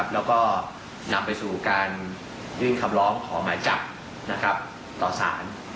แล้วก็นำไปสู่การยื่นคำร้องขอหมายจับต่อสาร